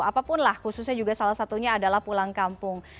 apapun lah khususnya juga salah satunya adalah pulang kampung